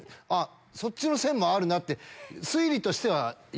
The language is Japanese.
そっちの線もあるなって。